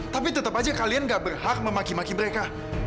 tapi tetap aja kalian gak berhak memaki maki mereka